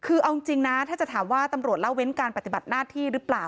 คือเอาจริงนะถ้าจะถามว่าตำรวจเล่าเว้นการปฏิบัติหน้าที่หรือเปล่า